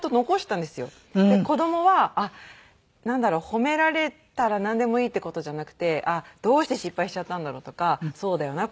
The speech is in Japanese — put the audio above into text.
褒められたらなんでもいいって事じゃなくてあっどうして失敗しちゃったんだろうとかそうだよな